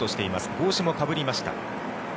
帽子もかぶりました。